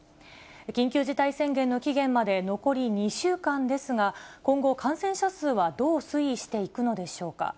緊急事態宣言の期限まで残り２週間ですが、今後、感染者数はどう推移していくのでしょうか。